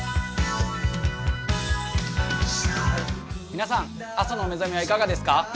皆さん、朝のお目覚めはいかがですか？